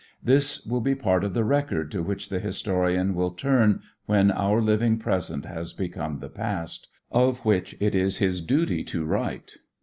This will be part of the record to which the historian will turn when our living present has become the past, of which it is his duty to write.